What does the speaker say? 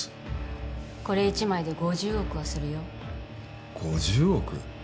これ１枚で５０億はするよ５０億！？